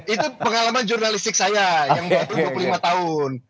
itu pengalaman jurnalistik saya yang dua puluh dua puluh lima tahun